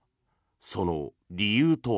その理由とは。